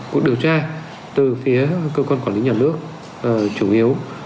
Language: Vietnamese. cuộc điều tra từ phía cơ quan quản lý nhà nước chủ yếu